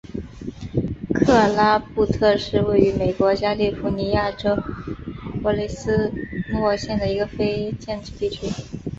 克拉布特里是位于美国加利福尼亚州弗雷斯诺县的一个非建制地区。